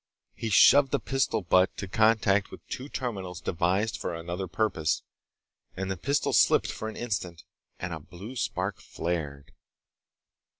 He shoved the pistol butt to contact with two terminals devised for another purpose, and the pistol slipped for an instant and a blue spark flared.